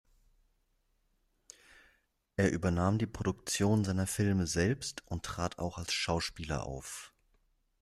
Er übernahm die Produktion seiner Filme selbst und trat auch als Schauspieler auf.